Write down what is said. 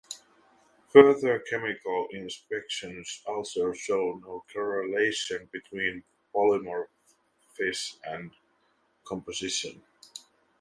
Further chemical inspection also shows no correlation between polymorphism and composition.